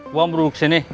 gue mau berurus sini